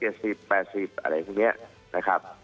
อะไรอย่างนี้นะครับ